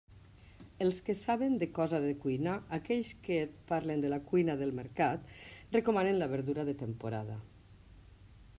Els que saben de cosa de cuinar, aquells que et parlen de la cuina del mercat, recomanen la verdura de temporada.